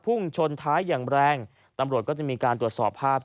พุ่งชนท้ายอย่างแรงตำรวจก็จะมีการตรวจสอบภาพ